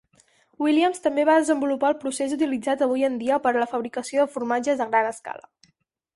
Williams també va desenvolupar el procés utilitzat avui en dia per a la fabricació de formatges a gran escala.